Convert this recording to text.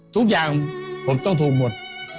ทุกอย่างต้องดูหมด